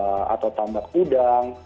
solusi solusi tadi cendung lebih jangka panjang